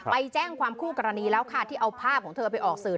ไปแจ้งความคู่กรณีแล้วค่ะที่เอาภาพของเธอไปออกสื่อ